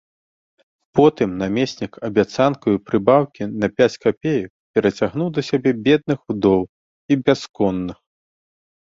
Потым намеснік абяцанкаю прыбаўкі на пяць капеек перацягнуў да сябе бедных удоў і бясконных.